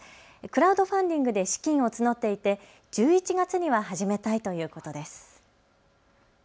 クラウドファンディングで資金を募っていて１１月には始めたいということです。